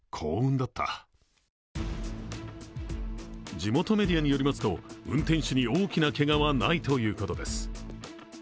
地元メディアによりますと運転手に大きなけがはないということです。